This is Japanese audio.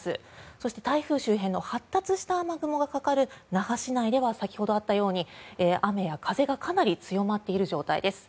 そして、台風周辺の発達した雨雲がかかる那覇市内では先ほどあったように雨や風がかなり強まっている状態です。